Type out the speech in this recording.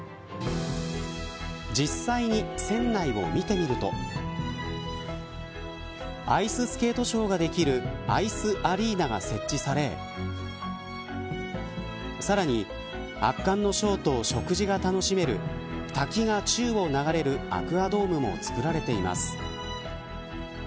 実際に船内を見てみるとアイススケートショーができるアイスアリーナが設置されさらに、圧巻のショーと食事が楽しめる滝が宙を流れるアクアドームも作られています。